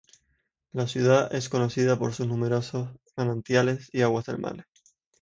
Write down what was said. La ciudad es conocida por sus numerosos manantiales y aguas termales.